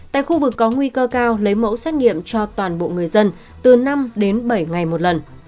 tại khu vực có nguy cơ cao lấy mẫu xét nghiệm cho toàn bộ người dân từ năm đến bảy ngày một lần